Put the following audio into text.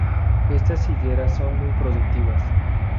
Estas higueras son muy productivas.